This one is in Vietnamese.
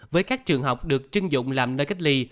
với các trường học được chưng dụng làm nơi cách ly